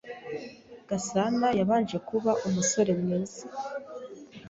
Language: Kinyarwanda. Gasana yabanje kuba umusore mwiza.